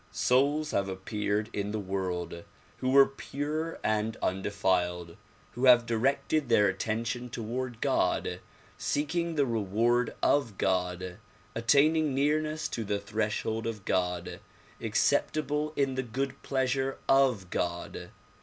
Souls have appeared in the world who were pure and undefiled, who have directed their attention toward God, seeking the reward of God, attaining nearness to the threshold of God, acceptable in the good pleasure of God.